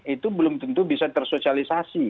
itu belum tentu bisa tersosialisasi